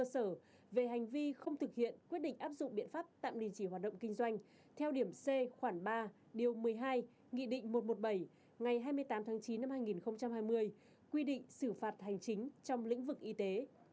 sở về hành vi không thực hiện quyết định áp dụng biện pháp tạm đình chỉ hoạt động kinh doanh theo điểm c khoảng ba điều một mươi hai nghị định một trăm một mươi bảy ngày hai mươi tám tháng chín năm hai nghìn hai mươi quy định xử phạt hành chính trong lĩnh vực y tế